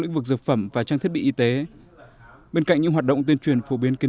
lĩnh vực dược phẩm và trang thiết bị y tế bên cạnh những hoạt động tuyên truyền phổ biến kiến